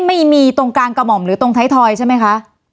ไม่มีตรงกลางกระหม่อมหรือตรงไทยทอยใช่ไหมคะ